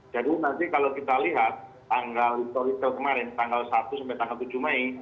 jadi nanti kalau kita lihat tanggal historical kemarin tanggal satu sampai tanggal tujuh mei